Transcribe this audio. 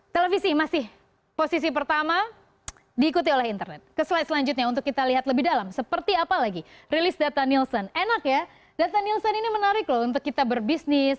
televisi masih posisi pertama diikuti oleh internet ke slide selanjutnya untuk kita lihat lebih dalam seperti apa lagi rilis data nielsen enak ya data nielsen ini menarik loh untuk kita berbisnis